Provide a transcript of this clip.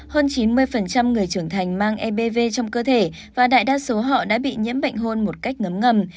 hơn chín mươi người trưởng thành mang ebv trong cơ thể và đại đa số họ đã bị nhiễm bệnh hôn một cách ngấm ngầm